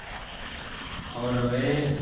تو رو ئے۔